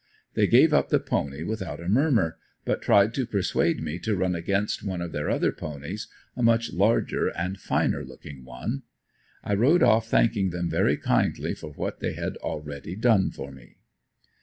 They gave up the pony without a murmer, but tried to persuade me to run against one of their other ponies, a much larger and finer looking one. I rode off thanking them very kindly for what they had already done for me.